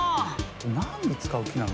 何に使う木なの？